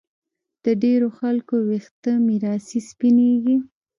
د ډېرو خلکو ویښته میراثي سپینېږي